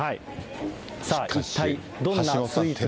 さあ、一体どんなスイーツが。